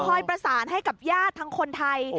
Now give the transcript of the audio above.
ประสานให้กับญาติทั้งคนไทย